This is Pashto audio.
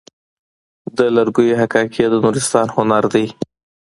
د لرګیو حکاکي د نورستان هنر دی.